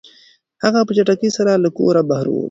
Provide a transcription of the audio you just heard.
هغه په چټکۍ سره له کوره بهر ووت.